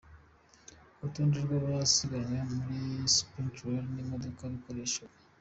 Urutonde rw’abasiganwe muri Sprint Rally n’imodoka bakoreshaga.